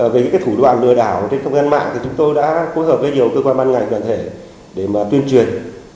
về cái thủ đoạn lừa đảo trên công an mạng thì chúng tôi đã phối hợp với nhiều cơ quan ban ngành toàn thể để tuyên truyền